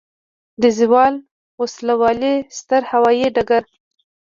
د زاول وسلوالی ستر هوایي ډګر